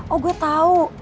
oh gue tau